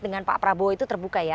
dengan pak prabowo itu terbuka ya